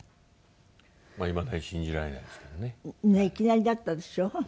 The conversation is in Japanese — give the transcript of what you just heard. いきなりだったでしょ？